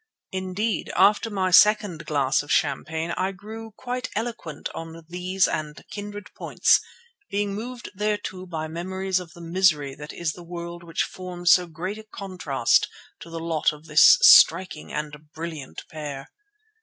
Indeed after my second glass of champagne I grew quite eloquent on these and kindred points, being moved thereto by memories of the misery that is in the world which formed so great a contrast to the lot of this striking and brilliant pair.